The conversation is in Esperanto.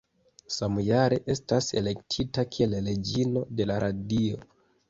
Samjare estas elektita kiel Reĝino de la Radio.